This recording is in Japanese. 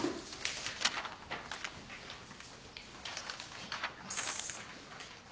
ありがとうございます。